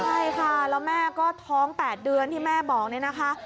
ใช่ค่ะแล้วแม่ก็ท้อง๘เดือนที่แม่บอกเนี่ยนะคะ